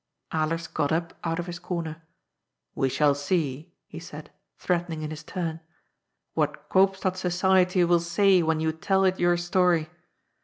Alers got up out of his comer. " We shall see," he said, threatening in his turn, " what Koopstad society will say when you tell it your story.